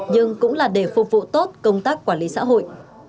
nhưng cũng là để phục vụ tốt công tác quản lý xã hội